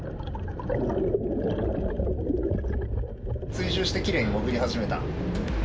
追従して奇麗に潜り始めた。